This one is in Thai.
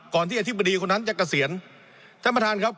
ที่อธิบดีคนนั้นจะเกษียณท่านประธานครับ